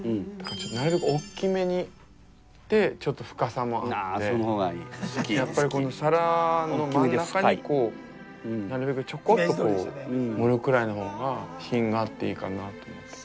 なるべく大きめにでちょっと深さもあってやっぱりこの皿の真ん中になるべくちょこっと盛るくらいの方が品があっていいかなと。